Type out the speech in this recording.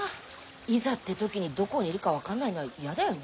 いざって時にどこにいるか分かんないのは嫌だよね？